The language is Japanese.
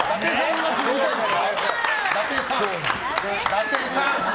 伊達さん！